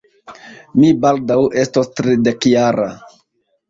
Mi baldaŭ estos tridekjara.